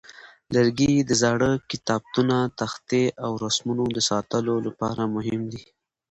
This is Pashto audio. لرګي د زاړه کتابتونه، تختې، او رسمونو د ساتلو لپاره مهم دي.